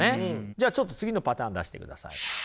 じゃあちょっと次のパターン出してください。